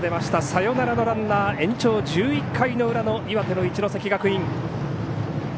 サヨナラのランナー延長１１回の裏岩手の一関学院。